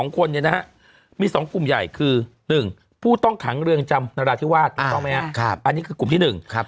๑๘๒คนมีสองกลุ่มใหญ่คือ๑ผู้ต้องขังเรื่องจำนรทิวาสอันนี้คือกลุ่มที่๑